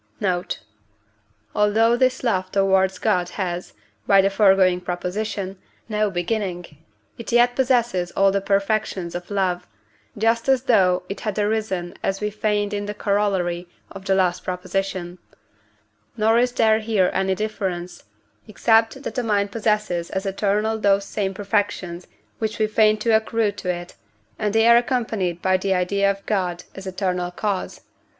Note. Although this love towards God has (by the foregoing Prop.) no beginning, it yet possesses all the perfections of love, just as though it had arisen as we feigned in the Coroll. of the last Prop. Nor is there here any difference, except that the mind possesses as eternal those same perfections which we feigned to accrue to it, and they are accompanied by the idea of God as eternal cause.